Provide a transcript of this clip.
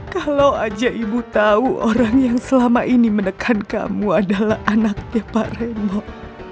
kalau aja ibu tahu orang yang selama ini menekan kamu adalah anaknya pak remo